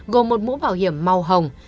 gồm một mũ bảo hiểm màu hồng